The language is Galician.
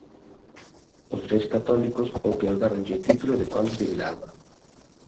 Os Reis Católicos outorgáronlle o título de Conde de Vilalba.